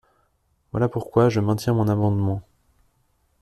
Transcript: Voilà pourquoi je maintiens mon amendement.